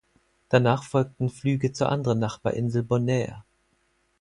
Danach folgten Flüge zur anderen Nachbarinsel Bonaire.